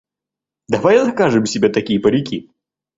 Давай закажем себе такие парики!